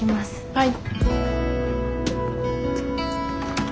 はい。